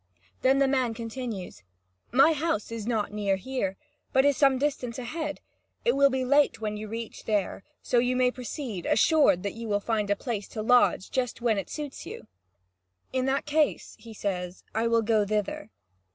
Then the man continues: "My house is not near here, but is some distance ahead. It will be late when you reach there, so you may proceed, assured that you will find a place to lodge just when it suits you." "In that case," he says, "I will go thither."